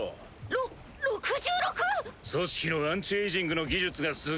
ろ６６⁉組織のアンチエイジングの技術がすげぇんだ。